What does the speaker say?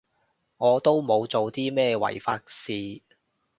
我都冇做啲咩違法事